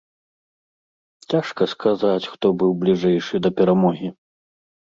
Цяжка сказаць, хто быў бліжэйшы да перамогі.